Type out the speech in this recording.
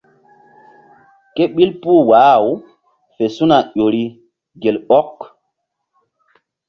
Ke ɓil puh wah-aw fe su̧na ƴo ri gel ɔk.